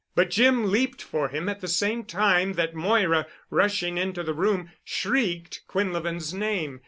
But Jim leaped for him at the same time that Moira, rushing into the room, shrieked Quinlevin's name.